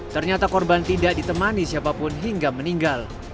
ternyata korban tidak ditemani siapapun hingga meninggal